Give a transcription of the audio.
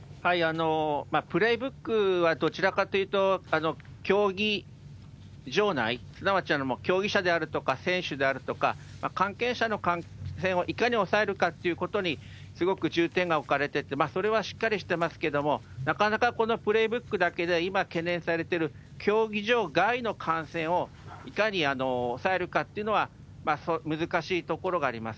プレーブックはどちらかというと競技場内、すなわち競技者であるとか、選手であるとか、関係者の感染をいかに抑えるかってことにすごく重点が置かれてて、それはしっかりしてますけれども、なかなかこのプレーブックだけでは、今、懸念されている競技場外の感染をいかに抑えるかっていうのは難しいところがあります。